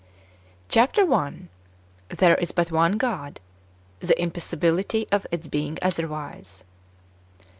Chap. i. — There is hut one God: the impossihility of its heing otherwise.